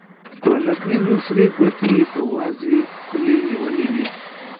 په نکريزو سرې ګوتې يې په وازې خولې نيولې وې.